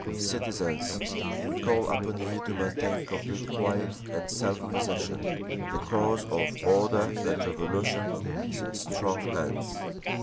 Citizens! We call upon you to maintain complete quiet and self possession. The cause of order and Revolution is in strong hands.